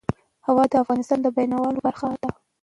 هوا د افغانستان د بڼوالۍ برخه ده.